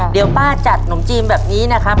เดี๋ยวป้าจัดหนมจีนแบบนี้นะครับ